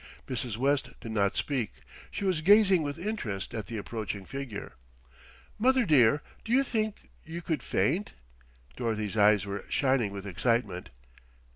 Mrs. West did not speak; she was gazing with interest at the approaching figure. "Mother dear, do you think you could faint?" Dorothy's eyes were shining with excitement.